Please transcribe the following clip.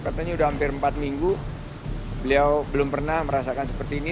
katanya sudah hampir empat minggu beliau belum pernah merasakan seperti ini